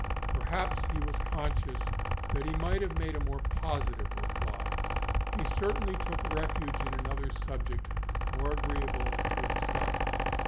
Perhaps he was conscious that he might have made a more positive reply. He certainly took refuge in another subject more agreeable to himself.